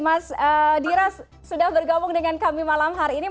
mas diras sudah bergabung dengan kami malam hari ini